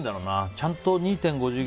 ちゃんと２．５次元。